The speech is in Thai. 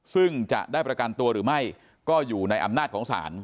ซึ่งจะได้ประกันตัวหรือไม่ก็อยู่ในอำนาจของศาล